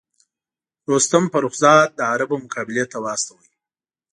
رستم فرُخ زاد د عربو مقابلې ته واستاوه.